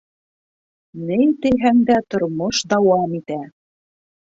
Ни тиһәң дә, тормош дауам итә.